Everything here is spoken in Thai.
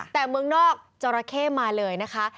แต่เมืองนอกจราเข้มาเลยนะคะ